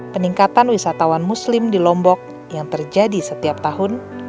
peningkatan wisatawan muslim di lombok yang terjadi setiap tahun